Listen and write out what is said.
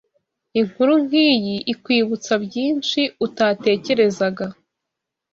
Inkuru nk’iyi ikwibutsa byinshi utatekerezaga